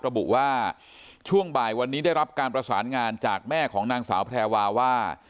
ระบุว่าช่วงบ่ายวันนี้ได้รับการประสานงานจากแม่ของนางสาวแพรวาว่า